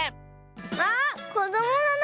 あっこどものな